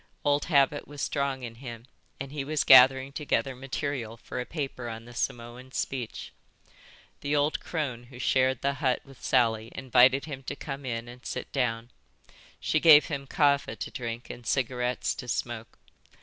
Old habit was strong in him and he was gathering together material for a paper on the Samoan speech. The old crone who shared the hut with Sally invited him to come in and sit down. She gave him kava to drink and cigarettes to smoke.